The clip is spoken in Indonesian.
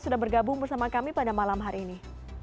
sudah bergabung bersama kami pada malam hari ini